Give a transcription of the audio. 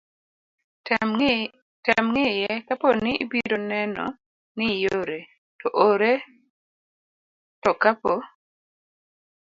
tem ng'iye kapo ni ibiro neno ni iore, to ore to kapo